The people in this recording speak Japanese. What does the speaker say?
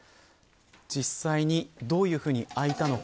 実際にどういうふうに開いたのか。